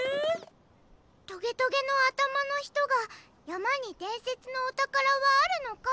トゲトゲのあたまのひとが「やまにでんせつのおたからはあるのか？」